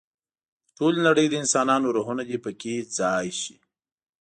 د ټولې نړۍ د انسانانو روحونه دې په کې ځای شي.